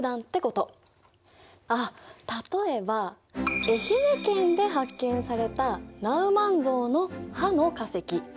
あっ例えば愛媛県で発見されたナウマン象の歯の化石。